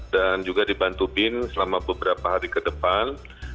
dan juga dibantubin selama beberapa hari ke depan